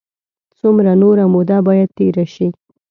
څومره نوره موده باید تېره شي.